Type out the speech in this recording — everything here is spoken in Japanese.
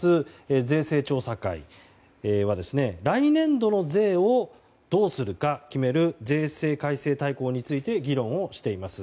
税制調査会は来年度の税をどうするか決める税制改正大綱について議論をしています。